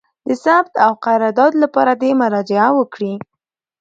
د ثبت او قرارداد لپاره دي مراجعه وکړي: